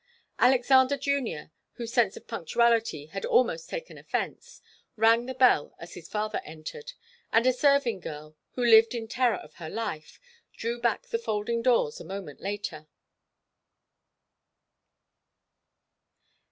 Alexander Junior, whose sense of punctuality had almost taken offence, rang the bell as his father entered, and a serving girl, who lived in terror of her life, drew back the folding doors a moment later.